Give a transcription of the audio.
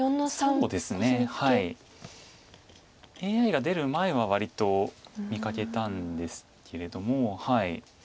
ＡＩが出る前は割と見かけたんですけれども。